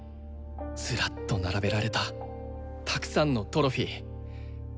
ずらっと並べられたたくさんのトロフィー。